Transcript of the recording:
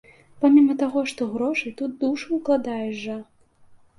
Паміма таго, што грошы, тут душу ўкладаеш жа!